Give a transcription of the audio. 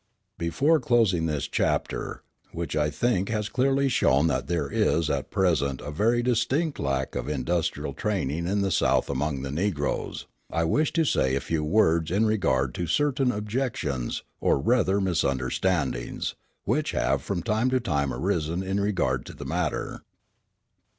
Before closing this chapter, which, I think, has clearly shown that there is at present a very distinct lack of industrial training in the South among the Negroes, I wish to say a few words in regard to certain objections, or rather misunderstandings, which have from time to time arisen in regard to the matter.